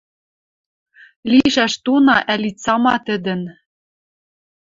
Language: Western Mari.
Лишӓш туна ӓли цама тӹдӹн